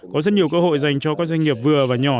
có rất nhiều cơ hội dành cho các doanh nghiệp vừa và nhỏ